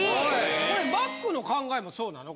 これマックの考えもそうなの？